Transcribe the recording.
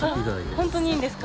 ホントにいいんですか？